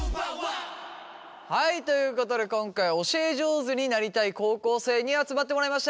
はいということで今回は教え上手になりたい高校生に集まってもらいました。